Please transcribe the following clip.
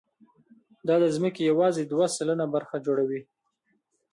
دا د ځمکې یواځې دوه سلنه برخه جوړوي.